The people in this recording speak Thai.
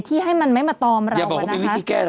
ที่ให้มันไม่มาตอมเรากัน